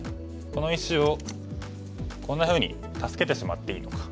この石をこんなふうに助けてしまっていいのか。